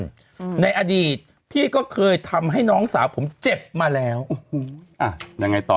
อืมในอดีตพี่ก็เคยทำให้น้องสาวผมเจ็บมาแล้วโอ้โหอ่ะยังไงต่อ